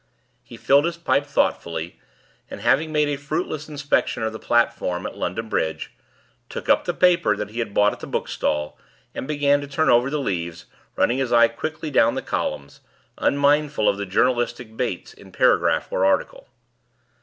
He filled his pipe thoughtfully, and, having made a fruitless inspection of the platform at London Bridge, took up the paper that he had bought at the bookstall, and began to turn over the leaves, running his eye quickly down the columns, unmindful of the journalistic baits in paragraph or article.